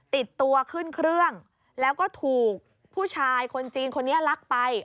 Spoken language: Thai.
ติดตัวขึ้นเครื่องแล้วก็ถูกผู้ชายคนจีนคนนี้ลักไป